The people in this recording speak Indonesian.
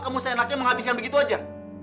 kamu seenaknya menghabiskan begitu saja